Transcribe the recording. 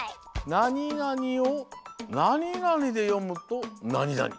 なになにをなになにでよむとなになに。